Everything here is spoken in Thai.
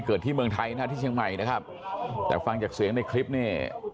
ที่เมืองไทยนะที่เชียงใหม่นะครับแต่ฟังจากเสียงในคลิปเนี่ย